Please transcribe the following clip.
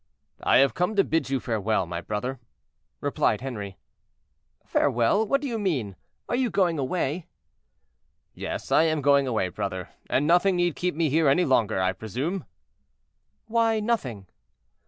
"I have come to bid you farewell, my brother," replied Henri. "Farewell! What do you mean? Are you going away?" "Yes, I am going away, brother, and nothing need keep me here any longer, I presume." "Why nothing?"